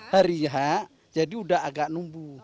hari hak jadi udah agak numbuh